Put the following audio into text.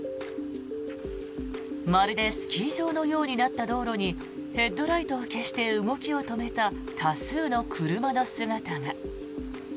まるでスキー場のようになった道路にヘッドライトを消して動きを止めた多数の車の姿が。